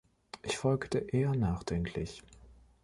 Ich folgte eher nachdenklich.